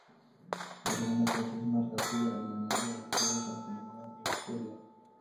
La segunda parte es más rápida y en ella el coro continúa la historia.